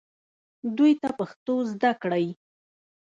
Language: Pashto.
دوی ته پښتو زده کړئ